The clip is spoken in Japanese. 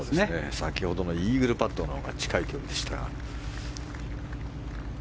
先ほどのイーグルパットのほうが近い距離でしたが。